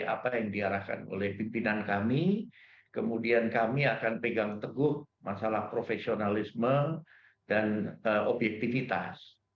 apa yang diarahkan oleh pimpinan kami kemudian kami akan pegang teguh masalah profesionalisme dan objektivitas